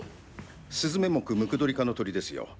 スズメ目ムクドリ科の鳥ですよ。